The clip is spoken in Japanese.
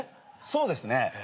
そうですね。